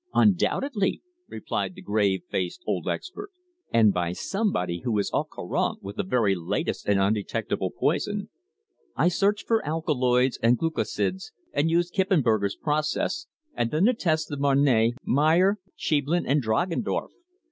"Undoubtedly," replied the grave faced old expert. "And by somebody who is au courant with the very latest and undetectable poison. I searched for alkaloids and glucosids, and used Kippenberger's process, and then the tests of Marne, Meyer, Scheiblen and Dragendorff.